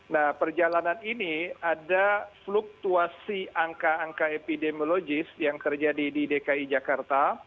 nah perjalanan ini ada fluktuasi angka angka epidemiologis yang terjadi di dki jakarta